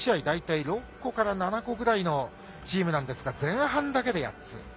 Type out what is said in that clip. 大体６個から７個ぐらいのチームなんですが前半だけで８つ。